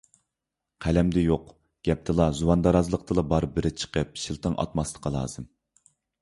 قەلەمدە يوق، گەپتىلا، زۇۋاندارازلىقتىلا بار بىرى چىقىپ شىلتىڭ ئاتماسلىقى لازىم.